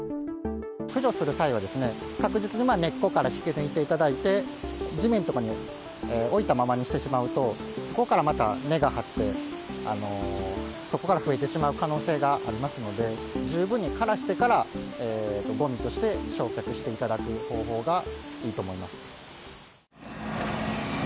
駆除する際は、確実に根っこから引き抜いていただいて、地面とかに置いたままにしてしまうと、そこからまた根が張って、そこから増えてしまう可能性がありますので、十分に枯らしてから、ごみとして焼却していただく方法がいいと思います。